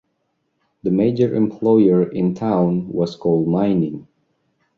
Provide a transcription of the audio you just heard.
The major employer in town was coal mining.